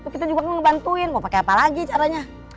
kita juga ngebantuin mau pakai apa lagi caranya